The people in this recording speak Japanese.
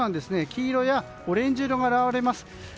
黄色やオレンジ色が現れます。